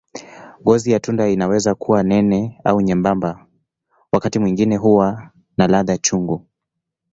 Ngozi ya tunda inaweza kuwa nene au nyembamba, wakati mwingine huwa na ladha chungu.